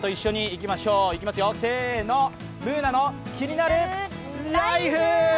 いきますよ、せの、「ＢｏｏｎａのキニナルＬＩＦＥ」！